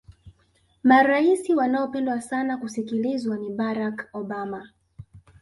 maraisi wanaopendwa sana kusikilizwa ni barack obama